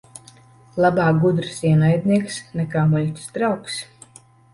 Labāk gudrs ienaidnieks nekā muļķis draugs.